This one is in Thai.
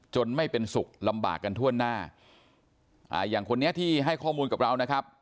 ไม่เป็นสุขลำบากกันทั่วหน้าอ่าอย่างคนนี้ที่ให้ข้อมูลกับเรานะครับ